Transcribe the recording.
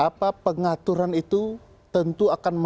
saya saudara madam kilimanjaro lr rosnail untuk berdua kan dan saya